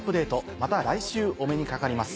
また来週お目にかかります。